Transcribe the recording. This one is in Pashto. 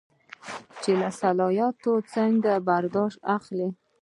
چې له اصطلاحاتو څنګه برداشت اخلي.